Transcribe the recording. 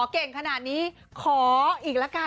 อ๋อเก่งขนาดนี้ขออีกละกันนะฮะ